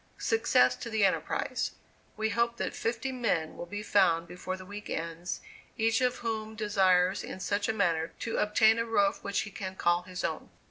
Success to the enterprise. We hope that fifty men will be found before the week ends, each of whom desires in such a manner to obtain a roof which he can call his own."